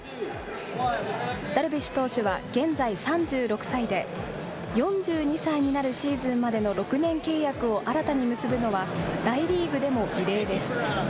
ダルビッシュ投手は現在３６歳で、４２歳になるシーズンまでの６年契約を新たに結ぶのは、大リーグでも異例です。